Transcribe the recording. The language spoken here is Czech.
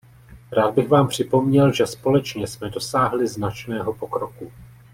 Rád bych vám připomněl, že společně jsme dosáhli značného pokroku.